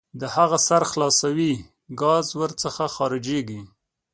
د هغه سر خلاصوئ ګاز ور څخه خارجیږي.